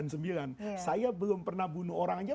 saya belum pernah bunuh orang aja